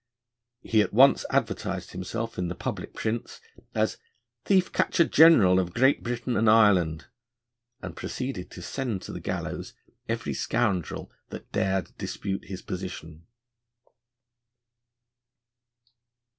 He at once advertised himself in the public prints as Thief Catcher General of Great Britain and Ireland, and proceeded to send to the gallows every scoundrel that dared dispute his position.